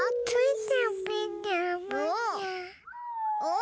お！